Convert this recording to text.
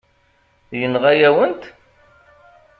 Yenɣa-yawen-t.